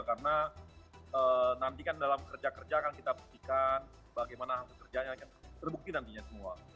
karena nanti kan dalam kerja kerja akan kita perhatikan bagaimana kerjanya akan terbukti nantinya semua